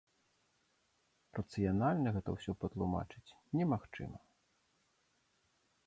Рацыянальна гэта ўсё патлумачыць немагчыма.